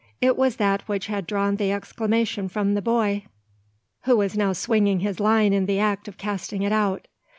It was that which had drawn the exclamation from the boy, who was now swinging his line in the act of casting it out.